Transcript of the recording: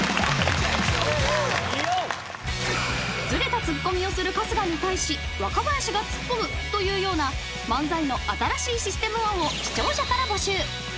［ずれたツッコミをする春日に対し若林がツッコむというような漫才の新しいシステム案を視聴者から募集］